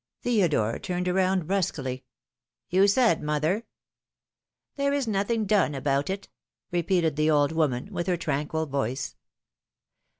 Theodore turned around brusquely. You said, mother?" There is nothing done about it," repeated the old woman with her tranquil voice.